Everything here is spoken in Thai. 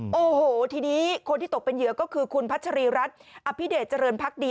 โอ้โหทีนี้คนที่ตกเป็นเหยื่อก็คือคุณพัชรีรัฐอภิเดชเจริญพักดี